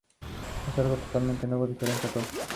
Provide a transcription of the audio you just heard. Es algo totalmente nuevo, diferente a todo".